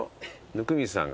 温水さんが。